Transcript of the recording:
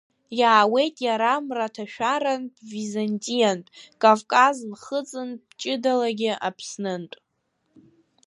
Иаауеит иара мраҭашәарантә, Византиантә, Кавказ нхыҵынтә, ҷыдалагьы Аԥснынтә.